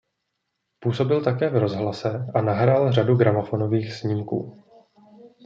Působil také v rozhlase a nahrál řadu gramofonových snímků.